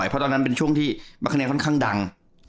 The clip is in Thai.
เพราะตอนนั้นเป็นช่วงที่มักคะแนนค่อนข้างดัง